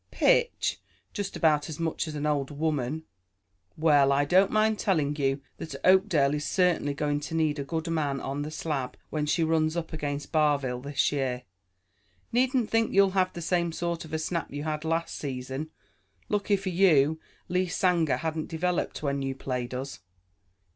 "Pitch! Just about as much as an old woman." "Well, I don't mind telling you that Oakdale is certainly going to need a good man on the slab when she runs up against Barville this year. Needn't think you'll have the same sort of a snap you had last season. Lucky for you Lee Sanger hadn't developed when you played us.